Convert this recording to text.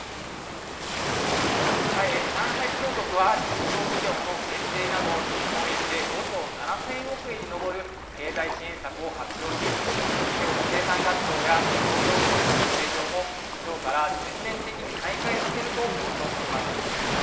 はい、上海市当局は中小企業の減税など日本円で５兆７０００億円に上る経済支援策を発表し企業の生産活動や商業施設などの営業もきょうから全面的に再開させると強調しています。